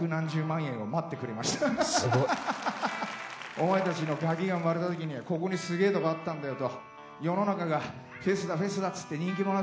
お前たちのガキが生まれた時にここにすげえとこあったんだよと。